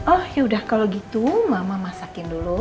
oh ya udah kalau gitu mama masakin dulu